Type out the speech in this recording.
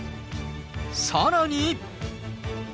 さらに。